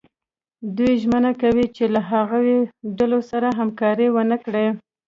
دوی ژمنه کوي چې له هغو ډلو سره همکاري ونه کړي.